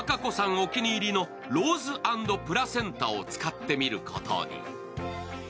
お気に入りのローズ＆プラセンタを使ってみることに。